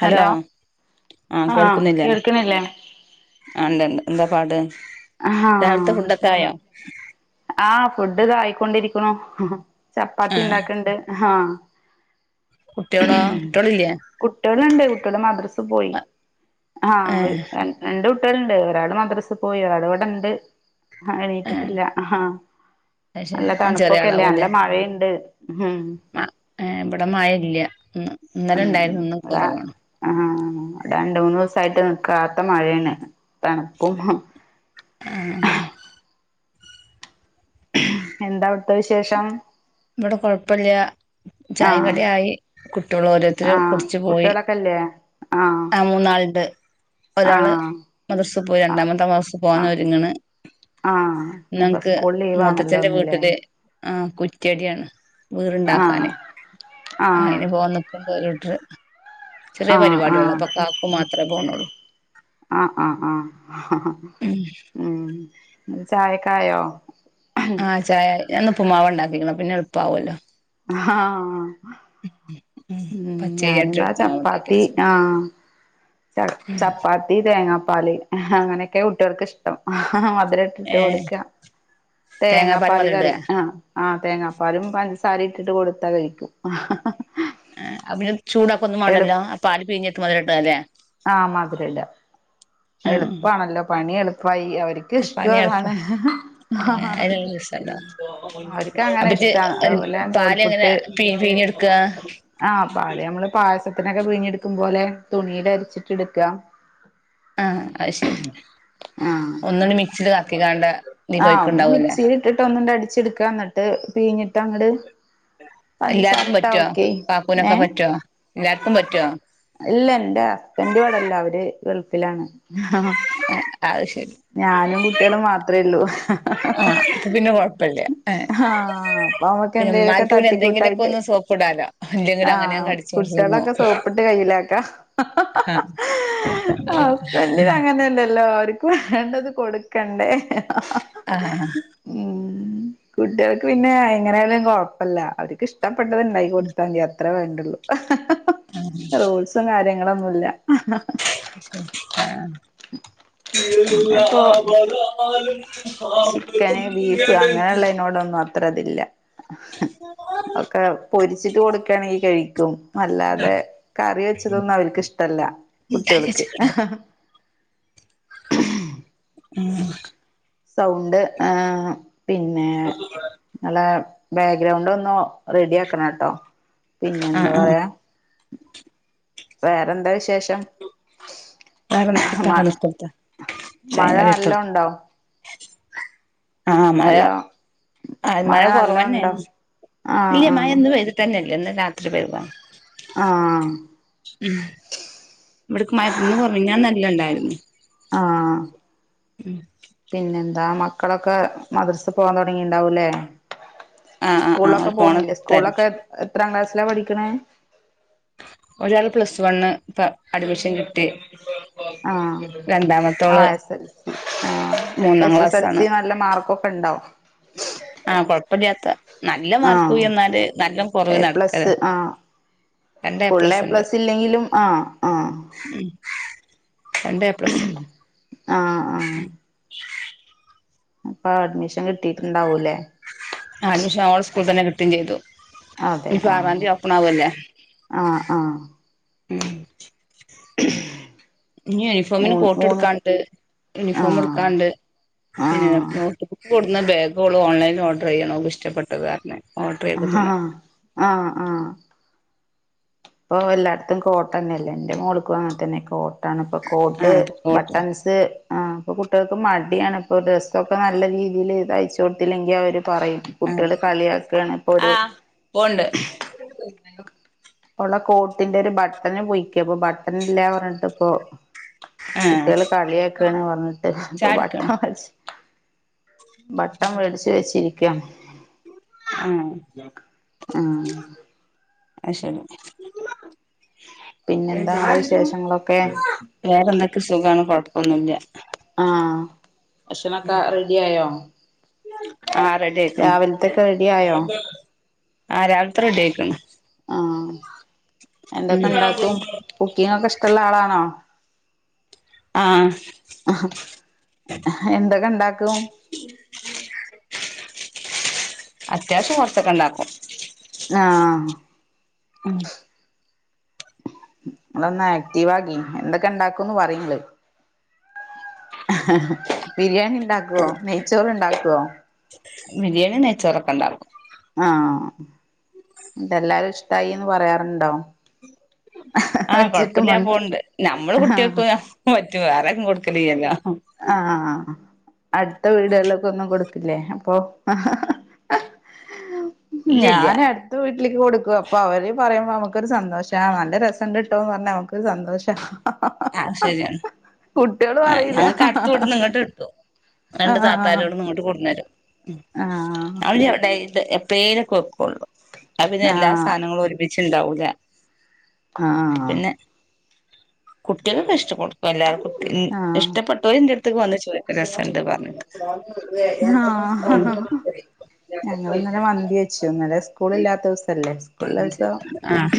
Hello ആഹ് കേൾക്കുന്നില്ലേ ആ ഇണ്ട് ഇണ്ട് എന്താ പാട് ആഹ് രാവിലത്തെ ഫുഡൊക്കെ ആയോ ആ ഫുഡ് ദാ ആയിക്കൊക്കൊണ്ടിരിക്കുന്നു ആ ചപ്പാത്തി ഉണ്ടാക്കണ്ട് ആഹ് കുട്ടിയോളോ കുട്ടിയോള് ഇല്ലിയേ കുട്ടിയോളുണ്ട് കുട്ടികള് മദ്രസ് പോയി ഏ ആഹ് [unintelligible] രണ്ട് കുട്ടിയോള്ണ്ട് ഒരാള് മദ്രസിൽ പോയി ഒരാള് ഇവിടെ ഉണ്ട് ആഹ് ഏ എണീറ്റിട്ടില്ല ആഹ് അത് ശരി നല്ല ഓൻ ചെറിയ തണുപ്പൊക്കെ അല്ലേ ആളാവൂല്ലേ നല്ല മഴയിണ്ട് [unintelligible] [unintelligible] ഇവിടെ മഴ ഇല്ല്യ ഉം ഇന്നലെണ്ടായിരുന്ന് ഇന്ന് ഇവിടെ കുറവാണ് ആഹ് രണ്ട് മൂന്ന് ദിവസായിട്ട് നിക്കാത്ത മഴയാണ് തണുപ്പും ഹും [inaudible] [unintelligible] എന്താവിടുത്ത വിശേഷം ഇവിടെ കൊഴപ്പില്ല്യാ ആഹ് ചായിംകടി ആയി കുട്ടികള് ഓരോരുത്തരും ആഹ് കുടിച്ചു പോയി കുട്ടികളൊക്കെല്ലേ ആഹ് മൂന്നാൾണ്ട് ഒരാള് ആഹ് മദർസ് പോയി ആഹ് രണ്ടാമത്തൊം മദ്രസ് പോകൻ ആഹ് ഒരുങ്ങണ് ആഹ് അപ്പൊ ഞങ്ങക്ക് സ്കൂൾ ലീവ് ആണല്ലോ മുത്തച്ഛന്റെ ഇന്നില്ലേ വീട്ടില് ആഹ് കുറ്റിയടിയാണ് ആഹ് വീട്ണ്ടാകനെ ആ ആഹ് അയിന് പോവൻ നിക്കാ നിക്കണ്ട് ഓരൂട്ടര് ചെറിയ ആഹ് പരിപാടിയള്ളൂ ആഹ് അപ്പൊ കാക്കൂ മാത്രമേ പോണൊള്ളൂ ആഹ് ആഹ് ആഹ് ഉം ഇങ്ങക്ക് ചായക്കായോ ചായായി ഞാൻ ന്ന് ഉപ്പ്മാവാണ്ടാക്കിക്കണ് പിന്നെ എളുപ്പമാവൊല്ലോ ആഹ് ഉം പച്ചരിയാട്ടി ഞാനിതാ ഉപ്പുമാവ് ഉണ്ടാക്കി ചപ്പാത്തി വെച്ചു ആഹ് ചപ്പാത്തി തേങ്ങാപ്പാല് അങ്ങനെയൊക്കെ കുട്ടികൾക്ക് ഇഷ്ടം മധുര ട്ട് ഏഹ് കൊടുക്ക തേങ്ങാ തേങ്ങാപ്പാല് പാൽ മധുരടേ കറി ആഹ് ആഹ് തേങ്ങാപ്പാലും പഞ്ചസാര ഇട്ടിട്ട് കൊടുത്താ കഴിക്കും ഏ അത് പിന്നെ ചൂടൊക്കെ ഒന്നും വേണ്ടല്ലോ പാല് പിഞ്ഞേക്ക് മധരം ഇട്ട അല്ലേ ആഹ് മാധരില്ല എളുപ്പാണല്ലോ പണി എളുപ്പമായി അവര്ക്ക് ആഹ് പണി എള്പ്പ ഏ അതിന അവർക്ക് അങ്ങനെ ഇഷ്ടാണ് അതുപോലെ [unintelligible] പാൽ എങ്ങനെ പീഞ്ഞ്ടുക്കാ ആഹ് പല് നമ്മള് പായസത്തിനൊക്കെ പിഞ്ഞെടുക്കും പോലെ തുണീൽ അരച്ചിട്ട് എടുക്കുക ആഹ് അത് ശരി ഒന്ന്ണ്ട് മിക്സിയിൽ കറക്കികാണ്ട് ആഹ് ഒന്ന് മക്സിലിട്ടിട്ട് ഒന്നിണ്ട് അടിച്ചെടുക്കാ എന്നട്ട് പീഞ്ഞിട്ട് അങ്ങട് പഞ്ചസാര എല്ലാര്ക്കും ഇട്ടാ പറ്റോ ഓക്കെ ഏ കാക്കൂനൊക്കെ പറ്റോ എല്ലാര്ക്കും പറ്റോ ഇല്ല എന്റെ ഹസ്ബൻറ് ഇവിടെ ഇല്ല്യ അവര് ഗൾഫിലാണ് അത് ശരി ഞാനും കുട്ടികളും മാത്രേള്ളൂ ആഹ് അപ്പൊ പിന്നെ കൊഴപ്പല്ല ഏഹ് ആഹ് അപ്പൊമ്മക്ക് പിന്നെ എന്തേലൊക്കെ ഉമ്മാർക്ക് പിന്നെ എന്തെങ്കിലുമൊക്കെ തട്ടിക്കൂട്ടായിട്ട് ഒന്ന് സോപ്പ് ഇടാലോ ഇല്ലെങ്കിലും അങ്ങനെയും ആഹ് കടിച്ച് തിന്നും കുട്ടികളൊക്കെ സോപ്പിട്ട് കയ്യിലക്ക ആഹ് ഹസ്ബന്റിന് അങ്ങനെയല്ലല്ലോ ആ വര്ക്കു വേണ്ടത് കൊടുക്കണ്ടേ ആഹ് ഉം കുട്ടിആൾക്ക് പിന്നെ എങ്ങനെയായാലും കൊഴപ്പില്ല അവർക്ക് ഇഷ് ഇഷ്ടപ്പെട്ടത്ണ്ടാക്കി കൊടുത്താതി അത്രേ വേണ്ടുള്ളൂ റൂൾസും കാര്യങ്ങളൊന്നുല്ല ആഹ് എല്ലാ പിന്നെപ്പോ ബലാലും ചിക്കന് ബീഫ് അങ്ങനെയുള്ളതിനോടൊന്നും അത്ര ഇതില്ല ഒക്കെ പൊരിച്ചിട്ട് കൊടുക്കയാണെങ്കിൽ കഴിക്കും അല്ലാതെ കറി വെച്ചതൊന്നും അവരിക്കിഷ്ടല്ല കുട്ടികൾക്ക് [unintelligible] സൗണ്ട് ആ പിന്നെ നല്ല ബെഗ്രൗണ്ട് ഒന്ന് റെഡി ആക്കണം കേട്ടോ പിന്നെ എന്താ ആഹ് ആഹ് പറയാ വേറെന്താ വിശേഷം വേറെ മ ഇത്താക്കൊന്ന് ഇട്ട് കൊടുത്തേ മഴ ചായേം കടിം ഇട്ട് നല്ലോം കൊടുത്തേ ഉണ്ടോ ആഹ മഴ ഹലോ ആ മഴ നല്ല ഉണ്ടോ കൊറവന്നെയാണ്. ഇല്ല ആഹ് മഴ ഇന്ന് പെയ് ട്ടന്നെല്ലന്ന് രാത്രി പെയ്തതാ ആ ഹ് ഇവിടക്ക് മഴ ഇന്ന് കുറഞ്ഞ മിനിഞ്ഞാന്ന് നല്ല ഇണ്ടായിരുന്നു. ആഹ് ഉം പിന്നെന്താ മക്കളൊക്കെ മദ്രസ പോകാൻ തുടങ്ങിണ്ടാവൂലേ ആഹ് ആഹ് ആഹ് സ്കൂളിലൊക്കെ ഓല് പോണ പോണില്ലേ തെര സ്കൂളിലൊക്കെ എത്രാം ക്ലാസ്സിലാ പഠിക്കണേ ഒരാള് പ്ലസ് വൺ ഇപ്പൊ അഡ്മിഷൻ കിട്ടി രണ്ടാമത്തോള് ആ മൂന്നാം എസ് എസ് എൽ സി ന്നല്ല മാർകൊക്കെ ഇണ്ടാവും.. ആഹ കൊഴപ്പമില്ലാത്ത നല്ല ആഹ് മാർക്കോയി എന്നാല് നല്ല കുറവ് [unintelligible] ഫുള്ള് എ പ്ലസ് ഇല്ലെങ്കിലും ആ ആ ഉം രണ്ട് എ പ്ലസ് ഉണ്ട് ആ ആ ഇപ്പൊ അഡ്മിഷൻ കിട്ടിട്ടുണ്ടാവൂലേ അഡ്മിഷൻ ഓളെ സ്കൂളിൽ തന്നെ കിട്ടുകയും ചെയ്തു. ഇനിപ്പൊ ആറാം തീയതി ഒപ്പൺ ആവല്ലേ. ആഹ ആഹ ഉം ഇനി മൂ യൂണിഫോമിന് കോട്ട് മൂന്ന് എടുക്കാണ്ട്, യൂണിഫോം ആഹ് എടുക്കാണ്ട്, പിന്നെ ആഹ് നോട്ട്ബുക്ക് കൊടുന്നു ബാഗ് ഓള് ഓൺലൈനിൽ ഓർഡർ ചെയ്യാണ് ഓൾക് ഇഷ്ടപ്പെട്ടത് പറഞ്ഞു ആഹ് ആഹ് ആഹ ഇപ്പൊ എല്ലാട്ത്തും കോട്ടനല്ലേ എന്റെ മോൾക്കും അങ്ങൻതനെ കോട്ടാണ് ഇപ്പൊ കോട്ട് ആഹ് അപ്പൊ കോട്ടും ബട്ടൺസ് ആ അപ്പൊ കുട്ടികൾക്ക് മടിയാണ് ഇപ്പൊ ഡ്രസ്സൊക്കെ നല്ല രീതിയിൽ തയ്ച്ച് കൊടുത്തില്ലെങ്കിൽ അവര് പറയും. ആ കുട്ടികള് കളിയാക്കാണ് ഇപ്പൊ ഒരു ആ പോവ്ണ്ട് ഓള കോട്ടിന്റെ ഒരു ബട്ടണ് പൊയിക്കെ അപ്പൊ ബട്ടൺ ഇല്ല പറഞ്ഞിട്ട് ഇപ്പൊ ആഹ് കുട്ടികള് കളിയാക്കാണ് പറഞ്ഞിട്ട് ഇപ്പൊ ചായ കുടിക്കാണ് ബട്ടൺ വെച്ച് ബട്ടൺ വേടിച്ച് വെച്ചിരിക്കാണ്. ആഹ് ആ അത് ശരി പിന്നെന്താ നിങ്ങളെ വിശേഷങ്ങളൊക്കെ വേറെ എന്തൊക്കെ സുഖമാണ് കുഴപ്പമൊന്നുല്ല. ആ ഭക്ഷണനൊക്കെ റെഡി ആയോ ആ റെഡി ആയിക്കണ്. രാവിലത്തൊക്കെ റെഡി ആയോ ആ രാവിലത്തെ റെഡി ആയിക്കണ് ആ എന്തൊക്കെ ഉണ്ടാക്കും കുക്കിങൊക്കെ ഇഷ്ടമുള്ള ആളാണോ ആ അഹ് എഹ് എന്തൊക്കെ ഇണ്ടാക്കും. അത്യാവശ്യം കൊറച്ചോക്കെ ഉണ്ടാക്കും. ആഹ ഉം ഇങ്ങളൊന്ന് ആക്റ്റീവ് ആകി എന്തൊക്കെ ഉണ്ടാക്കുംന്ന് പറിങ്ങൾ ബിരിയാണി ഉണ്ടാക്കുവോ നെയ്ച്ചോറ് ഉണ്ടാക്കുവോ ബിരിയാണി നെയ്ച്ചോറൊക്കെ ഉണ്ടാക്കും. ആഹ ന്നട്ട്തെല്ലാരും ഇഷ്ടായിന്ന് പറയാറുണ്ടോ ആഹ വെച്ചിട്ട് മ കൊഴപ്പല്ലതെപോവ്ണ്ട് നമ്മള് കുട്ടികൾക്ക് ആഹ് ഒരാ റ്റ് വേറാരും കൊടുക്കലില്ലല്ലോ ആആ അടുത്ത വീടുകളിലൊന്നും കൊടുത്തില്ലേ അപ്പൊ ഹ ഹ ഹ ഇല്ല ഇല്ല ഞാന് ത്ത വീട്ടിലേക്ക് കൊടുക്കും അപ്പൊ അവര് പറയുമ്പോ നമുക്കൊരു സന്തോഷ, ആ നല്ല രസണ്ട് ഇട്ടോന്ന് പറഞ്ഞാൽ നമുക്കൊരു സന്തോഷ ആഹ് ശരിയാണ് കുട്ട്യോള് പറയില്ല കടത്തു വിടന്ന് ഇങ്ങട്ട് കിട്ടും രണ്ട് ആഹ് ആഹ് താത്താരോട് ന്നും ഇങ്ങട്ട് കൊട്ന്നരും ആഹ് ഉം [unintelligible] എപ്പളേലൊക്കെ വെക്കുള്ളൂ അത് പിന്നെ ആഹ് എല്ലാ സാധനങ്ങളും ഒരുമിച്ചുണ്ടാവുല ആഹ് പിന്നെ കുട്ടികൾക്ക് ഇഷ്ടപ്പെടുക്കും എല്ലാവർക്കും കു ആഹ് ഇഷ്ടപ്പെട്ട ഒയിന്റെ എടുത്ത് വന്ന് ചോദിക്കും രസംണ്ട് പറഞ്ഞട്ട് ആഹ് ഞങ്ങള് ഇന്നലെ [unintelligible] മന്തി ഇന്നലെ സ്കൂളില്ലാത്ത ദിവസല്ലേ സ്കൂളുള്ള ദിവസം ആഹ്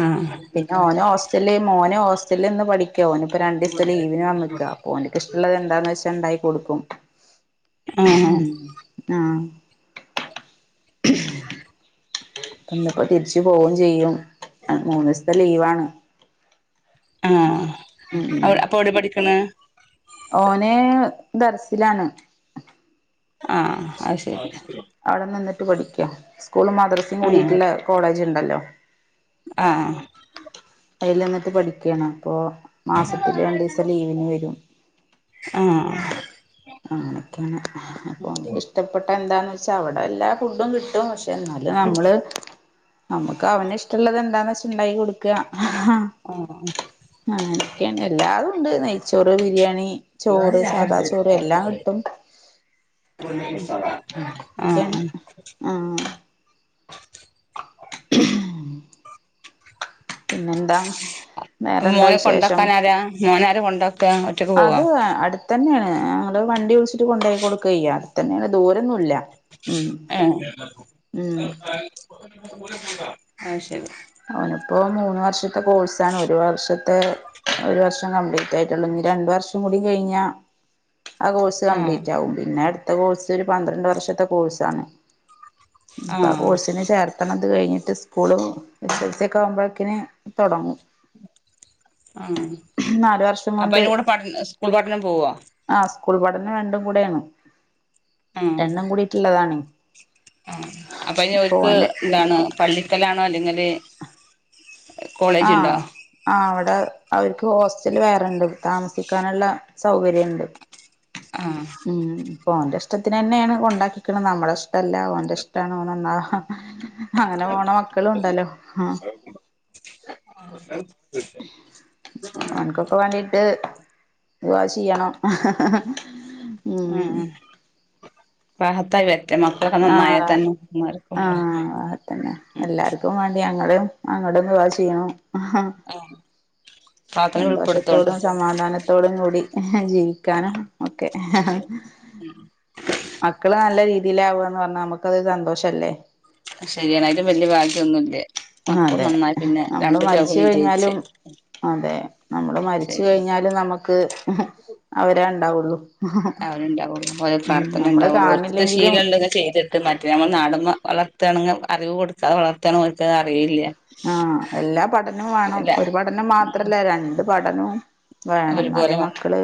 ആഹ് പിന്നെ ഓന് ഹോസ്റ്റല് മോന് ഹോസ്റ്റലിനിന്ന് പഠിക്ക ഓനി ഇപ്പോ രണ്ടിസ്ത്തെ ലീവിന് വന്നക്കാ അപ്പൊ ഓന്ക്കിഷ്ടം ള്ളത് എന്താന്ന് വെച്ചാ ഉണ്ടായി കൊടുക്കും ആഹ് ഉം ആഹ് ഇന്നിപ്പോ തിരിച്ചു പോവും ചെയ്യും മൂന്നിസ്ത്തെ ലീവാണ് ആഹ് ഉം അ അപ്പൊ എവിടെ പഠിക്കണ് ഓനെ ദർസിലാണ് ആഹ് അത് ശരി അവിടെ നിന്നിട്ട് പഠിക്ക സ്കൂൾ മദ്രസയും കൂടിയിട്ടുള്ള കോളേജ് ഇണ്ടല്ലോ ആ ആ അതിൽ നിന്നിട്ട് പഠിക്കയാണ് അപ്പൊ മാസത്തില് രണ്ടു ദിവസം ലീവിന് വരും ആ ആ അങ്ങനെയൊക്കെയാണ് അപ്പൊ ഓനിക്കിഷ്ടപ്പെട്ട എന്താന്ന് വെച്ചാ അവിടെ എല്ലാ ഫുഡും കിട്ടും പക്ഷെ എന്നാല് നമ്മള് നമ്മുക്ക് അവന് ഇഷ്ടമുള്ളത് എന്താന്ന് വെച്ച ഉണ്ടാക്കി കൊടുക്കുക ആ ആ അഅങ്ങനെയൊക്കെയാണ് എല്ലാതും ഉണ്ട് നെയ്ച്ചോറ് ബിരിയാണി ഒരുപാട് ചോറ് ചായ സാദാ ചോറ് എല്ലാം കിട്ടും [unintelligible] അങ്ങനെയൊക്കെയാണ് ആ [unintelligible] പിന്നെന്താ അപ്പൊ വേറെന്താ മോനെ വിശേഷം കൊണ്ടാക്കൻരാ മോനാര കൊണ്ടാക്കുക ഒറ്റക്ക് പോവാ അടുത്ത തന്നെയാണ് ഞങ്ങള് വണ്ടി വിളിച്ചിട്ട് കൊണ്ടു പോയി കൊടുക്കുകയ്യ അടുത്തന്നാണ് ദൂരൊന്നുല്ല ഉം ഉം ആഹ് ശരി അവനിപ്പോ മൂന്ന് വർഷത്തെ കോഴ്സാണ് ഒരു വർഷത്തെ ഒരു വർഷം കംപ്ലീറ്റ് ആയിട്ടുള്ളൂ ഇനി രണ്ട് വർഷം കൂടി കഴിഞ്ഞ ആ കോഴ്സ് ആഹ് കംപ്ലീറ്റ് ആവും പിന്നെ അടുത്ത കോഴ്സ് ഒരു പന്ത്രണ്ട് വർഷത്തെ കോഴ്സാണ് ഇപ്പ ആ ആഹ് കോഴസിന് ചേർത്തണംത് കഴിഞ്ഞിട്ട് സ്കൂളും എസ് ൽ സി യൊക്കെ ആകുമ്പോഴേക്കിന് തൊടങ്ങും ആ നാല് വർഷം അപ്പൊ കൊണ്ട് അയ്ന് കൂടെ പഠ സ്കൂൾ പഠനം പോവോ ആ സ്കൂൾ പഠനം രണ്ടും കൂടെയാണ് രണ്ടും കൂടിട്ടുള്ളതാണെ ആ അപ്പൊ ഇനി ഒല്ക്ക് ഇന്താണ് പള്ളിക്കലാണോ അല്ലെങ്കില് കോളേജ് ഉണ്ടോ ആഹ് ആ അവിടെ അവർക്ക് ഹോസ്റ്റല് വേറെണ്ട് താമസിക്കാനുള്ള സൗകര്യുണ്ട് ആഹ് ഇപ്പോ ഓൻ്റെ ഇഷ്ടത്തിന് തന്നെയാണ് കൊണ്ടാക്കിക്കണ് നമ്മുടെ ഇഷ്ടല്ല ഓന്റെ ഇഷ്ടാണ് ഓൻ നന്നാവാ അങ്ങനെ പോണ മക്കളും ഉണ്ടല്ലോ ആ ആ അനക്ക എനക്ക് വേണ്ടിട്ട് ദുആ ചെയ്യണം ഉം റാഹത്തായിവരട്ടെ ആ ആതെ ആ അതന്നെ എല്ലാർക്കും വേണ്ടി ഞങ്ങളേം അങ്ങടൊന്ന് ദുആ ചെയ്യണം ആഹ് പ്രാർത്ഥനയിൽ ഉൾപ്പെടുത്തോണ്ട് സന്തോഷത്തോടും സമാധാന ത്തോടും കൂടി ജീവിക്കാനും ഒക്കെ ഉം മക്കള് നല്ല രീതിയിലാവുകന്ന് പറഞ്ഞാ നമുക്കത് ഒരു സന്തോഷല്ലേ അത് ശരിയാണ് അതിലും വല്യ ഭാഗ്യഒന്നുല്ല അതെ നമ്മള് മരിച്ച് വിജയിച്ച് കഴിഞ്ഞാലും അതെ നമ്മള് മരിച്ച് ശരി കഴിഞ്ഞാലും നമുക്ക് അവര ഉണ്ടാവുള്ളു അവര് ഉണ്ടാവുള്ളൂ ഓരെ പ്രാർത്ഥന ഇണ്ടാവുള്ളൂ ഓർക്കത് കാണില്ലെങ്കിലും ശീലംണ്ടെ ചെയ്ത് മറ്റേ നമ്മ നാടമ്മ വളർത്തണെങ്കിൽ അറിവ് കൊടുക്കതെ വളർത്തണത് ഓര്ക്ക്അത് അറിയില്ല ആഹ് എല്ലാ പഠനവും വേണം ഇല്ല ഒരു പഠനം മാത്രല്ലേ രണ്ട് പഠനവും വേണംന്നാല്ലേ ഒരുപോലെ മക്കള്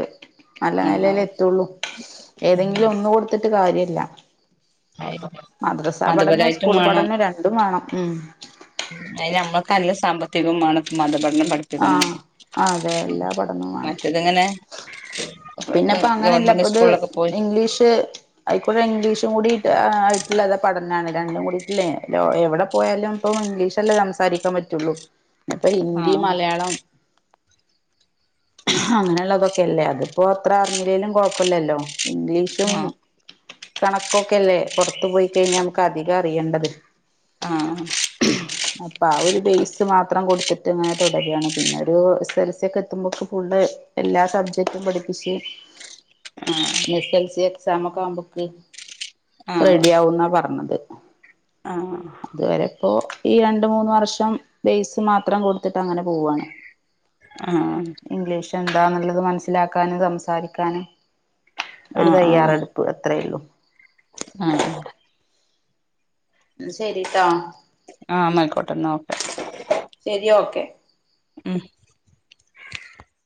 നല്ല നെലൽ വന്നാവും എത്തുള്ളൂ ഏതെങ്കിലും ഒന്ന് കൊടു ത്തിട്ട് കാര്യല്ല [unintelligible] മദ്രസാ പഠനം മതപരായിട്ടും സ്കൂൾ പഠനോ രണ്ടും വേണം ഉം അയ്ന് നമ്മക്ക് നല്ല സാമ്പത്തികംവേണം മതപഠനം ആഹ് പഠി അതെ എല്ലാ [unintelligible] പഠനവും വേണം മറ്റത്ങ്ങനെ പിന്നെപ്പ അങ്ങനെയല്ല ഇപ്പൊ ഇത് ഇംഗ്ലീഷ് അയിക്കൂടെ ഇംഗ്ലീഷും കൂടിട്ട് ആയിട്ടുള്ളത് പഠനാണ് രണ്ടും കൂടിയിട്ടുള്ളേ എവിടെ പോയാലും ഇപ്പം ഇംഗ്ലീഷ അല്ലേ സംസാരിക്കാൻ പറ്റുള്ളൂ ഇപ്പൊ ഹിന്ദി, ആഹ് മലയാളം അങ്ങനെയുള്ളതൊക്കെ അല്ലേ അത് ഇപ്പൊ അത്ര അറിഞ്ഞില്ലേലും കൊഴപ്പല്ലല്ലോ ഇംഗ്ലീഷും ആഹ് കണക്കൊക്കെല്ലേ പുറത്തു പോയി കഴിഞ്ഞാൽ നമ്മക്ക് അധികം അറിയേണ്ടത് ആഹ് ആ അപ്പ ആ ഒരു ബേസ് മാത്രം കൊടുത്തിട്ട് ഇങ്ങനെ തുടരാണ് പിന്നെ ഒരു എസ് എൽ സി ഒക്കെ എത്തുമ്പോക്ക് ഫുള്ള് എല്ലാ സബ്ജക്ടും പഠിപ്പിച്ച് ഏ എസ് എൽ സി എക്സാമ ഒക്കെ ആവുമ്പോക്ക് ആഹ് റെഡി ആവുന്നാ പറഞ്ഞത് ആഹ് ഇതുവരെ ഇപ്പോ ഈ രണ്ട് മൂന്ന് വർഷം ബേസ് മാത്രം കൊടുത്തിട്ട് അങ്ങനെ പോവാണ് ആഹ് ഇംഗ്ലീഷ് എന്താന്നുള്ളത് മനസ്സിലാക്കാനും സംസാരിക്കാനും ഒരു ആഹ് ആഹ് തയ്യാറെഎടുപ്പ് അത്രയുള്ളൂ ആഹ് ന്നാ ശരി ട്ടോ ആ ന്നാ അയ്ക്കോട്ടെ ന്നാ ഓക്കെ ശരി ഓക്കെ ഉം